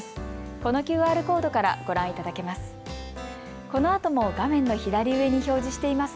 このＱＲコードからご覧いただけます。